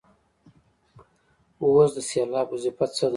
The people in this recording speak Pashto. اوس د سېلاب وظیفه څه ده.